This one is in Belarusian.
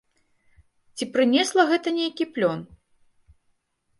Ці прынесла гэта нейкі плён?